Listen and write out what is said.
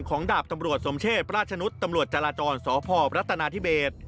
ดาบตำรวจสมเชษราชนุษย์ตำรวจจราจรสพรัฐนาธิเบส